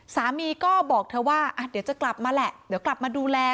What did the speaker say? สามีก็บอกเธอว่าเดี๋ยวจะกลับมาแหละเดี๋ยวกลับมาดูแล